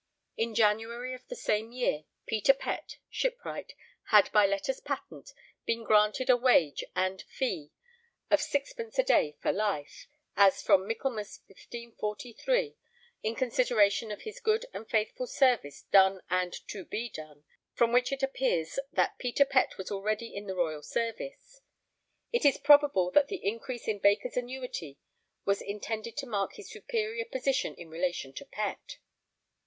In January of the same year, Peter Pett, 'Shipwright,' had by letters patent been granted a wage and fee (vadium et feodum) of sixpence a day for life, as from Michaelmas 1543, 'in consideration of his good and faithful service done and to be done'; from which it appears that Peter Pett was already in the royal service. It is probable that the increase in Baker's annuity was intended to mark his superior position in relation to Pett.